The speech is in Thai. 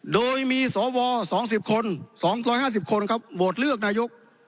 โดยมีสว๒๐คน๒๕๐คนครับโหวตเลือกนายก